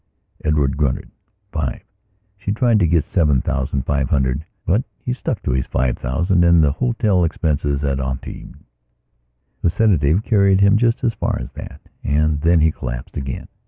Edward grunted: "Five." She tried to get seven thousand five hundred; but he stuck to his five thousand and the hotel expenses at Antibes. The sedative carried him just as far as that and then he collapsed again.